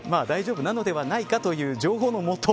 大丈夫なのではないかという情報の元。